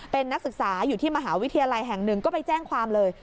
เป็นนักศึกษาอยู่ที่มหาวิทยาลัยแห่งหนึ่งก็ไปแจ้งความเลย